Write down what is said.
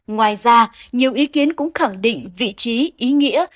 ngoài ra nhiều ý kiến cũng khẳng định vị trí ý nghĩa